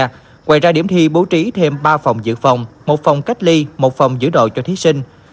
ngoài ra điểm thi bố trí thêm ba phòng dự phòng một phòng cách ly một phòng dữ độ cho thí sinh